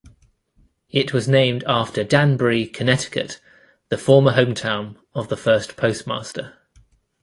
It was named after Danbury, Connecticut, the former hometown of the first postmaster.